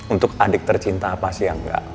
untuk adik tercinta apa sih yang enggak